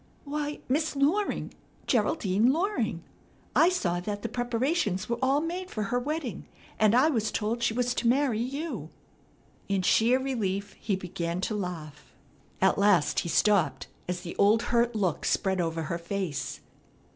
"Why, Miss Loring! Geraldine Loring. I saw that the preparations were all made for her wedding, and I was told she was to marry you." In sheer relief he began to laugh. At last he stopped, as the old hurt look spread over her face.